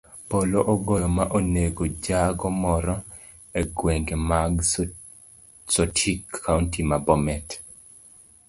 Polo ogoyo ma onego jago moro egwenge mag sotik, kaunti ma bomet .